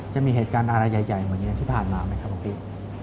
จะมีเหตุการณ์อะไรใหญ่เหมือนที่ผ่านมาไหมครับหลวงพี่